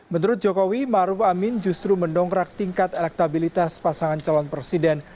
menurut jokowi maruf amin justru mendongkrak tingkat elektabilitas pasangan calon presiden